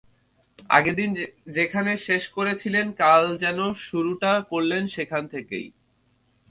আগের দিন যেখানে শেষ করেছিলেন কাল যেন শুরুটা করলেন সেখান থেকেই।